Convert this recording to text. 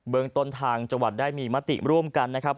เมืองต้นทางจังหวัดได้มีมติร่วมกันนะครับ